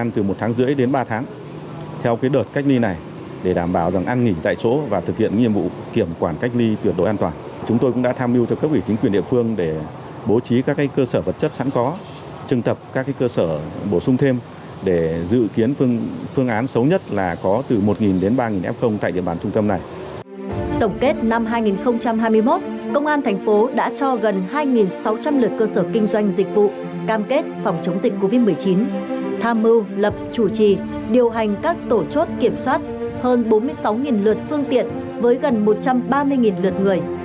tham mưu lập chủ trì điều hành các tổ chốt kiểm soát hơn bốn mươi sáu lượt phương tiện với gần một trăm ba mươi lượt người